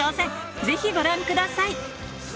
ぜひご覧ください